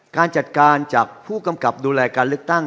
การจัดการจากผู้กำกับดูแลการเลือกตั้ง